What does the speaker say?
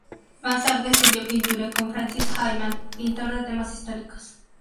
Más tarde estudió pintura con Francis Hayman, pintor de temas históricos.